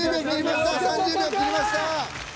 ３０秒切りました。